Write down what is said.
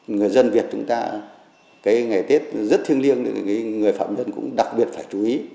người dân việt chúng ta cái ngày tết rất thiêng liêng cái người phạm nhân cũng đặc biệt phải chú ý